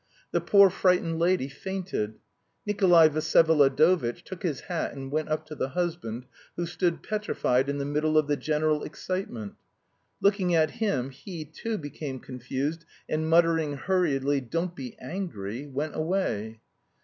The poor frightened lady fainted. Nikolay Vsyevolodovitch took his hat and went up to the husband, who stood petrified in the middle of the general excitement. Looking at him he, too, became confused and muttering hurriedly "Don't be angry," went away.